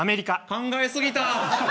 考え過ぎた。